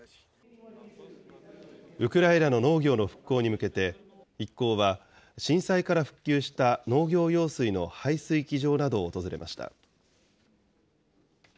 ウクライナの農業の復興に向けて、一行は震災から復旧した農業用水の排水機場などを訪れました。